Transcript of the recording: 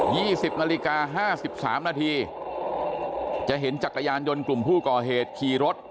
สิบนาฬิกาห้าสิบสามนาทีจะเห็นจักรยานยนต์กลุ่มผู้ก่อเหตุขี่รถ